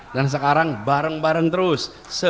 dan sekarang bareng bareng terus